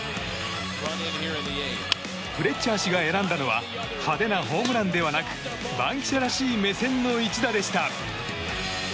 フレッチャー氏が選んだのは派手なホームランではなく番記者らしい目線の一打でした。